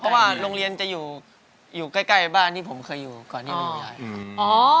เพราะว่าโรงเรียนจะอยู่ใกล้บ้านที่ผมเคยอยู่ก่อนที่ไม่มีอะไรครับ